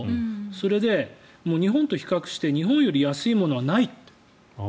それで日本と比較して日本より安いものはないって。